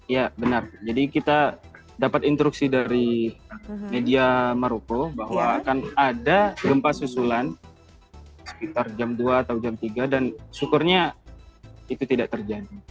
ya benar jadi kita dapat instruksi dari media maroko bahwa akan ada gempa susulan sekitar jam dua atau jam tiga dan syukurnya itu tidak terjadi